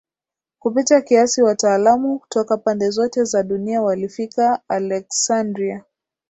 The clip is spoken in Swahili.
kupita kiasi Wataalamu toka pande zote za dunia walifika Aleksandria